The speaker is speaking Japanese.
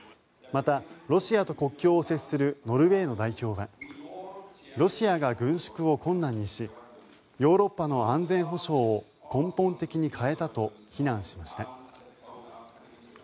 また、ロシアと国境を接するノルウェーの代表はロシアが軍縮を困難にしヨーロッパの安全保障を根本的に変えたと非難しました。